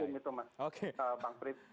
kalau mendukung itu mas bang prip